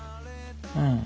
うん。